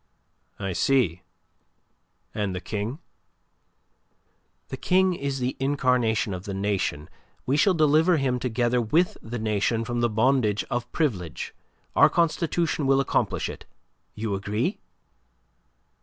"I see. And the King?" "The King is the incarnation of the Nation. We shall deliver him together with the Nation from the bondage of Privilege. Our constitution will accomplish it. You agree?"